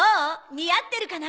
似合ってるかな？